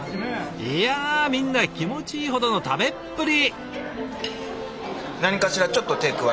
いやみんな気持ちいいほどの食べっぷり。